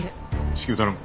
至急頼む。